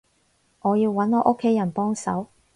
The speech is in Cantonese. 我要揾我屋企人幫手